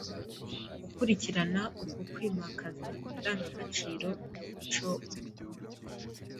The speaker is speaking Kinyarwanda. Gukurikirana uko kwimakaza indangagaciro n’umuco w’ubutore